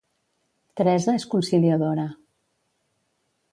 Teresa és conciliadora